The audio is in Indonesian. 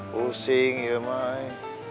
pusing ya mai